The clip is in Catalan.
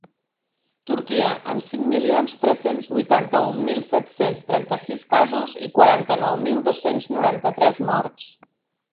Turquia, amb cinc milions tres-cents vuitanta-un mil set-cents trenta-sis casos i quaranta-nou mil dos-cents noranta-tres morts.